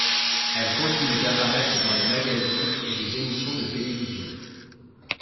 Elle continue d'apparaître dans les magazines et les émissions de télévision.